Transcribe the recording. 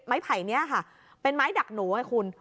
ไผ่นี้ค่ะเป็นไม้ดักหนูให้คุณ